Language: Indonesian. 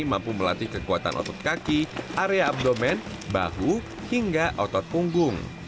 mampu melatih kekuatan otot kaki area abdomen bahu hingga otot punggung